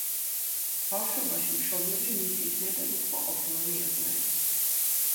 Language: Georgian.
ბავშვობაში მშობლები მისით მეტად უკმაყოფილონი იყვნენ.